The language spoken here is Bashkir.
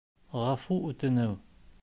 Ғәфү үтенеү